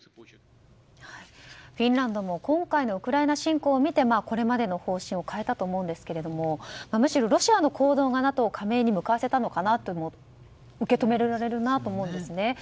フィンランドも今回のウクライナ侵攻を見てこれまでの方針を変えたと思うんですけれどもむしろロシアの行動がＮＡＴＯ加盟に向かわせたのかなとも受け止められるかなと思うんですね。